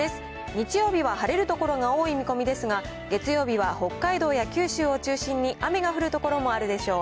日曜日は晴れる所が多い見込みですが、月曜日は北海道や九州を中心に、雨が降る所もあるでしょう。